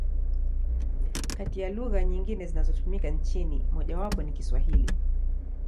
Kati ya lugha nyingine zinazotumika nchini, mojawapo ni Kiswahili.